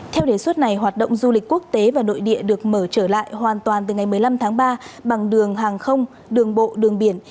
theo đề xuất này hoạt động du lịch quốc tế và nội địa được mở trở lại hoàn toàn từ ngày một mươi năm tháng ba bằng đường hàng không đường bộ đường biển